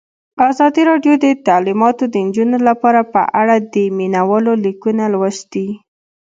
ازادي راډیو د تعلیمات د نجونو لپاره په اړه د مینه والو لیکونه لوستي.